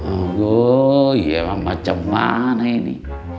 aduh ya emang macam mana ini